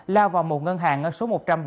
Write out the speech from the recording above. lao vào một ngân hàng ở số một trăm bảy mươi năm